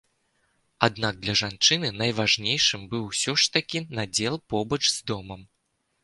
Аднак для жанчыны найважнейшым быў усё ж такі надзел побач з домам.